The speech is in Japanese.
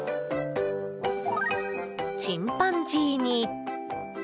チンパンジーに。